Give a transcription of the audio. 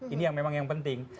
ini yang memang yang penting